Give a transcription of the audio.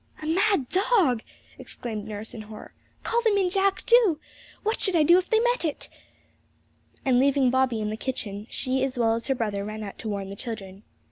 'A mad dog!' exclaimed nurse in horror; 'call them in, Jack, do! What should I do if they met it?' And leaving Bobby in the kitchen, she as well as her brother ran out to warn the children.